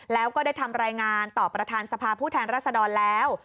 แล้วก็ได้ทำรายงานต่อประธานสภาผู้แทนรัศดรแล้ว